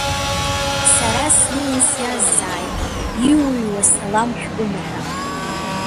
Сара снеин сиазҵааит, иуҩуа салам шәҟәума ҳәа.